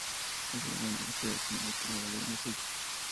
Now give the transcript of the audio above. En ese mismo lugar fue asesinado por un alumno suyo.